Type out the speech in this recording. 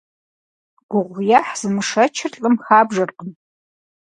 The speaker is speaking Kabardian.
Гугъуехь зымышэчыр лӀым хабжэркъым.